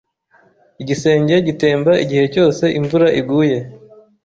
Igisenge gitemba igihe cyose imvura iguye.